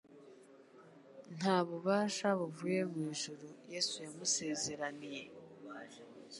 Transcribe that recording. Nta bubasha buvuye mu ijuru Yesu yamusezeraniye.